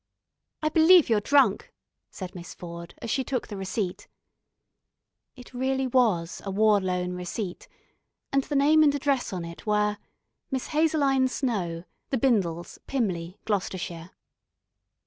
"I believe you're drunk," said Miss Ford, as she took the receipt. It really was a War Loan receipt, and the name and address on it were: "Miss Hazeline Snow, The Bindles, Pymley, Gloucestershire."